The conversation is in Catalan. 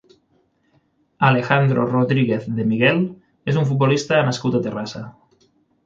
Alejandro Rodríguez de Miguel és un futbolista nascut a Terrassa.